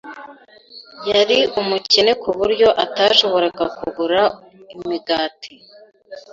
Yari umukene ku buryo atashoboraga kugura imigati.